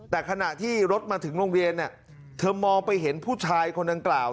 แต่ขณะที่รถมาถึงโรงเรียนเธอมองไปเห็นผู้ชายคนดังกล่าว